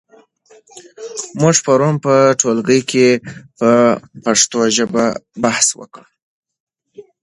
موږ پرون په ټولګي کې په پښتو ژبه بحث وکړ.